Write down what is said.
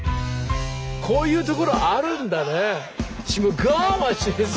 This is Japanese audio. こういうところあるんだね。